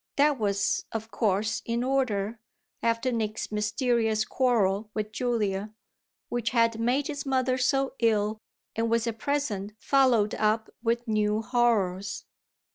That was of course in order, after Nick's mysterious quarrel with Julia, which had made his mother so ill and was at present followed up with new horrors.